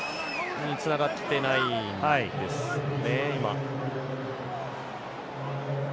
つながってないんですね。